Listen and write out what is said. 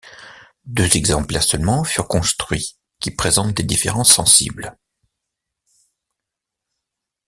Deux exemplaires seulement furent construits, qui présentent des différences sensibles.